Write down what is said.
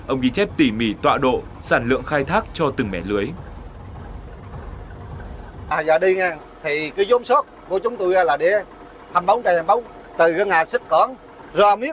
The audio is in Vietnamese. ông ghi chép tỉ mỉ tọa độ sản lượng khai thác cho từng mẻ lưới